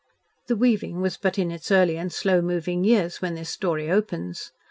The weaving was but in its early and slow moving years when this story opens.